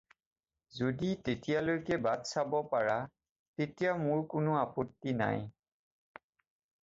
যদি তেতিয়ালৈকে বাট চাব পাৰা তেতিয়া মোৰ কোনো আপত্তি নাই।